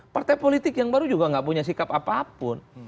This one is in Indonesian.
partai politik yang baru juga nggak punya sikap apapun